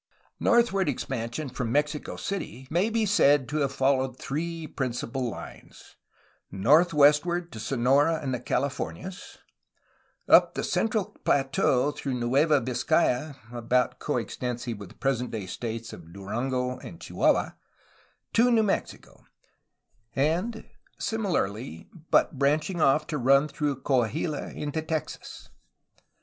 Northward expansion from Mexico City may be said to have followed three principal lines : northwestward to Sonora and the Calif ornias; up the central plateau through Nueva Vizcaya (about co extensive with the present day states of Durango and Chihuahua) to New Mexico; similarly, but branching off to run through Coahuila into Texas.